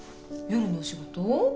夜のお仕事？